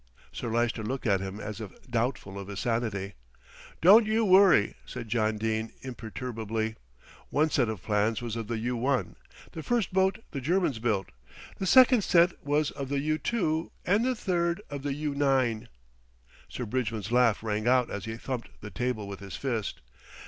Sir Lyster looked at him as if doubtful of his sanity. "Don't you worry," said John Dene imperturbably, "one set of plans was of the U1, the first boat the Germans built, the second set was of the U2, and the third of the U9." Sir Bridgman's laugh rang out as he thumped the table with his fist.